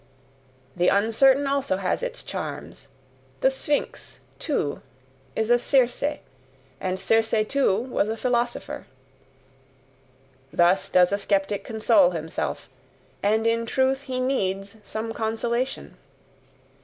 The uncertain also has its charms, the Sphinx, too, is a Circe, and Circe, too, was a philosopher." Thus does a skeptic console himself; and in truth he needs some consolation.